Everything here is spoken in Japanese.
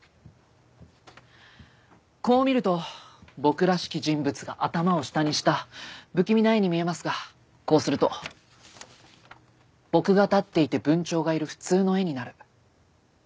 こう見ると僕らしき人物が頭を下にした不気味な絵に見えますがこうすると僕が立っていて文鳥がいる普通の絵になる。